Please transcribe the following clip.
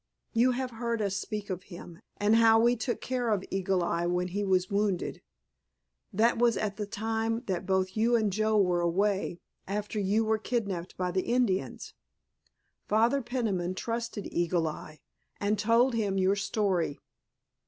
You have heard us speak of him, and how we took care of Eagle Eye when he was wounded. That was at the time that both you and Joe were away, after you were kidnapped by the Indians. Father Peniman trusted Eagle Eye, and told him your story.